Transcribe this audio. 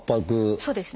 そうですね。